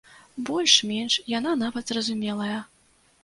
Больш-менш яна нават зразумелая.